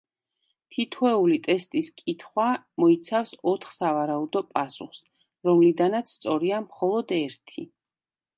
თითოეული ტესტის კითხვა მოიცავს ოთხ სავარაუდო პასუხს, რომლიდანაც სწორია მხოლოდ ერთი.